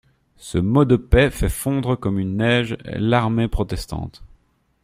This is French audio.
Ce mot de paix fait fondre comme une neige l'armée protestante.